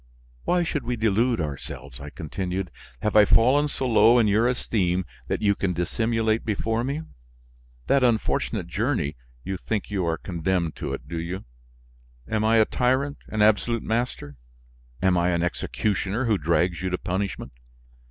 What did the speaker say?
"Why should we delude ourselves?" I continued. "Have I fallen so low in your esteem that you can dissimulate before me? That unfortunate journey, you think you are condemned to it, do you? Am I a tyrant, an absolute master? Am I an executioner who drags you to punishment?